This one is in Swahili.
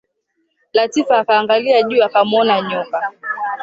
Latifa akaangalia juu akamwona nyoka.